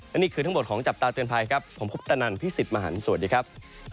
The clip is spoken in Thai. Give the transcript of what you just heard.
และนี่คือทั้งหมดของจับตาเตือนภัยครับผมคุปตนันพี่สิทธิ์มหันฯสวัสดีครับ